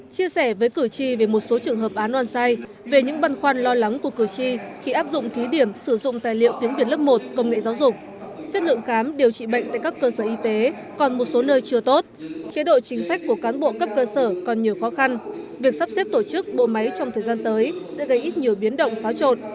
chia sẻ với cử tri về một số trường hợp án oan sai về những băn khoăn lo lắng của cử tri khi áp dụng thí điểm sử dụng tài liệu tiếng việt lớp một công nghệ giáo dục chất lượng khám điều trị bệnh tại các cơ sở y tế còn một số nơi chưa tốt chế độ chính sách của cán bộ cấp cơ sở còn nhiều khó khăn việc sắp xếp tổ chức bộ máy trong thời gian tới sẽ gây ít nhiều biến động xáo trộn